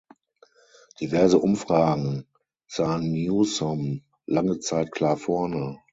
Diverse Umfragen sahen Newsom lange Zeit klar vorne.